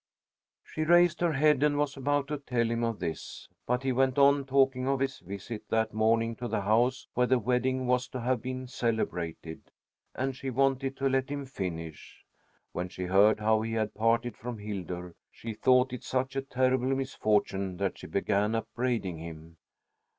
She raised her head and was about to tell him of this, but he went on talking of his visit that morning to the house where the wedding was to have been celebrated, and she wanted to let him finish. When she heard how he had parted from Hildur, she thought it such a terrible misfortune that she began upbraiding him.